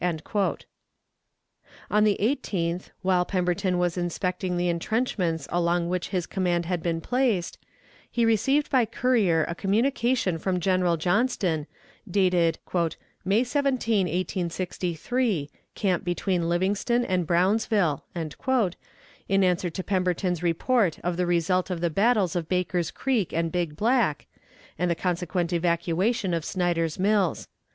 On the 18th, while Pemberton was inspecting the intrenchments along which his command had been placed, he received by courier a communication from General Johnston, dated "May 17, 1863, camp between Livingston and Brownsville," in answer to Pemberton's report of the result of the battles of Baker's Creek and Big Black, and the consequent evacuation of Snyder's Mills.